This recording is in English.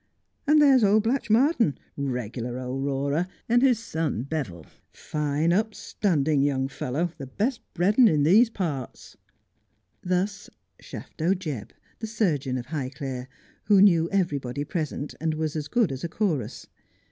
And there's old Blatchmardean — regular old roarer — and his son Beville — fine up standing young fellow, the best bred un in these parts.' Thus Shafto Jebb, the surgeon of Highclere, who knew every body present, and was as good as a chorus.